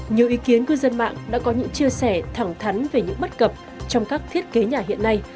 nhiều ý kiến cư dân mạng đã có những chia sẻ thẳng thắn về những bất cập trong các thiết kế nhà hiện nay